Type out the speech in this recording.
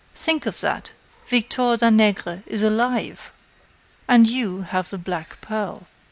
Think of that: Victor Danègre is alive!" "And you have the black pearl."